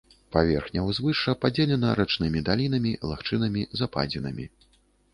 Паверхня ўзвышша падзелена рачнымі далінамі, лагчынамі, западзінамі.